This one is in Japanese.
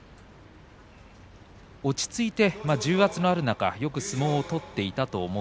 落ち着いて重圧がある中よく相撲を取っていたと思う。